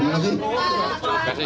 aku masih ada meeting lagi abis ini